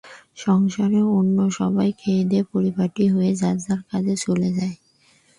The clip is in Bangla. সংসারের অন্য সবাই খেয়েদেয়ে পরিপাটি হয়ে যার যার কাজে চলে যায়।